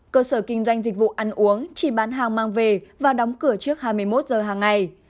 cơ sở kinh doanh dịch vụ ăn uống chỉ bán hàng mang về và đóng cửa trước hai mươi một giờ hàng ngày